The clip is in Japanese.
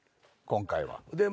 今回は。